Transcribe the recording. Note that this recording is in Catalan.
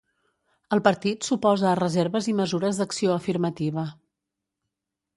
El partit s'oposa a reserves i mesures d'acció afirmativa.